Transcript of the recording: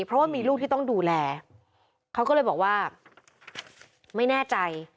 เพราะว่ามีลูกที่ต้องดูแลเขาก็เลยบอกว่าไม่แน่ใจ